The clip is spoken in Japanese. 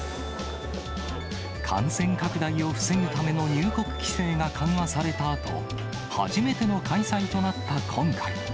感染拡大を防ぐための入国規制が緩和されたあと、初めての開催となった今回。